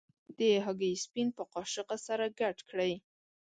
د هګۍ سپین په کاشوغه سره ګډ کړئ.